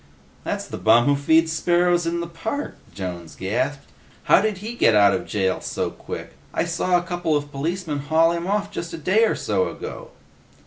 "That's the bum who feeds sparrows in the park!" Jones gasped. "How did he get out of jail so quick? I saw a couple of policemen haul him off just a day or so ago."